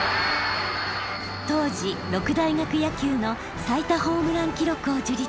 当時六大学野球の最多ホームラン記録を樹立。